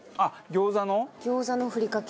餃子のふりかけ？